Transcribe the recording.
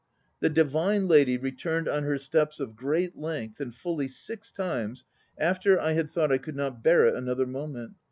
The divine lady returned on her steps at t length and fully six times after I had thm <>uld not bear it another moment.